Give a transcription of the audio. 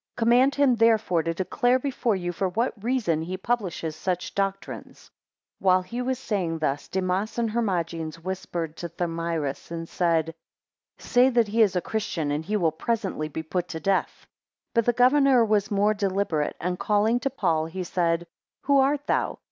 Command him therefore to declare before you for what reason he publishes such doctrines. 3 While he was saying thus, Demas and Hermogenes (whispered to Thamyris, and) said; Say that he is a Christian, and he will presently be put to death. 4 But the governor was more deliberate, and calling to Paul, he said, Who art thou?